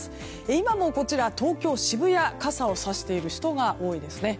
今も東京・渋谷傘をさしている人が多いですね。